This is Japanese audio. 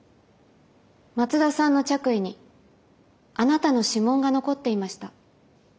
松田さんの着衣にあなたの指紋が残っていました。